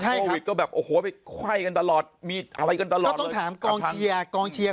ใช่ก็แบบโอ้โหข้อยกันตลอดมีอะไรกันตลอดก็ต้องถามประโยชน์